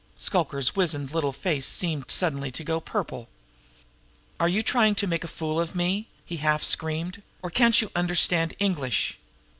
Shluker's wizened little face seemed suddenly to go purple. "Are you tryin' to make a fool of me?" he half screamed. "Or can't you understand English?